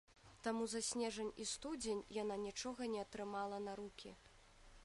Таму за снежань і студзень яна нічога не атрымала на рукі.